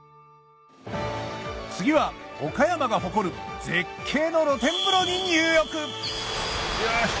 次は岡山が誇る絶景の露天風呂に入浴